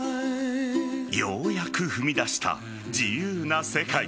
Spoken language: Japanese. ようやく踏み出した自由な世界。